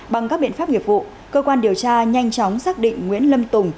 bằng các biện pháp nghiệp vụ cơ quan điều tra nhanh chóng xác định nguyễn lâm tùng